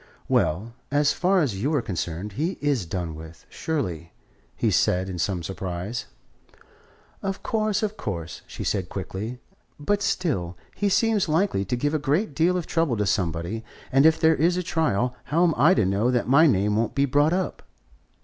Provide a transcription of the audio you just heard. "Well, as far as you are concerned, he is done with, surely," he said, in some surprise. "Of course, of course," she said quickly. "But still, he seems likely to give a great deal of trouble to somebody; and if there is a trial, how am I to know that my name won't be brought up?"